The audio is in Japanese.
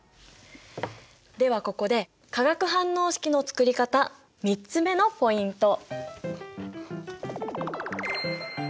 ではここで化学反応式のつくり方３つ目のポイント。